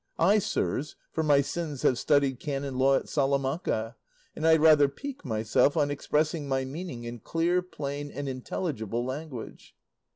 I, sirs, for my sins have studied canon law at Salamanca, and I rather pique myself on expressing my meaning in clear, plain, and intelligible language."